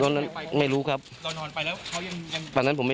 ตลอดทั้งคืนตลอดทั้งคืน